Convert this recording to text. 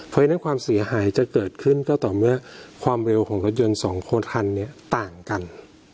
เพราะฉะนั้นความเสียหายจะเกิดขึ้นก็ต่อเมื่อความเร็วของรถยนต์สองคนคันเนี่ยต่างกัน